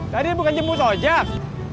tadi bukan jemput ojek